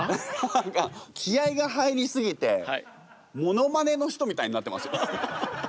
何か気合いが入りすぎてものまねの人みたいになってますよ。